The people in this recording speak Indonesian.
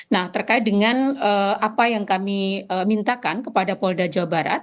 nah terkait dengan apa yang kami mintakan kepada polda jawa barat